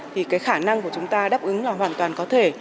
thì cái khả năng của chúng ta đáp ứng là hoàn toàn có thể